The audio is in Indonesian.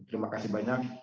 terima kasih banyak